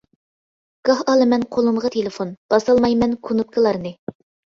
گاھ ئالىمەن قولۇمغا تېلېفون، باسالمايمەن كۇنۇپكىلارنى.